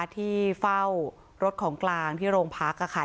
ที่เฝ้ารถของกลางที่โรงพักค่ะ